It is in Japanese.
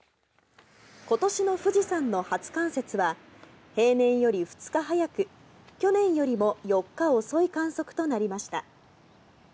今年の富士山の初冠雪は平年より２日早く、去年よりも４日遅い観測となりました。